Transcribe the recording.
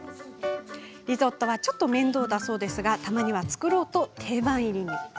リゾットはちょっと面倒だそうなんですがたまには作ろうと定番入りに。